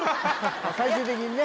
最終的にね